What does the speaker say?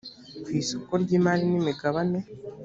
ku isoko ry’ imari n’ imigabane